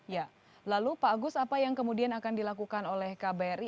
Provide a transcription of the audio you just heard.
ya lalu pak agus apa yang kemudian akan dilakukan oleh kbri